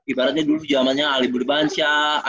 ibaratnya dulu jamannya alibur bansyah